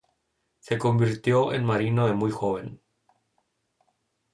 Se convirtió en marino de muy joven.